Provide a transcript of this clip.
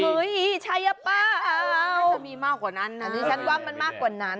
เฮ้ยใช่หรอเปล่ามีมากกว่านั้นนะอันนี้ฉันว่ามันมากกว่านั้น